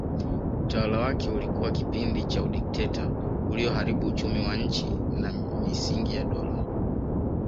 Utawala wake ulikuwa kipindi cha udikteta ulioharibu uchumi wa nchi na misingi ya dola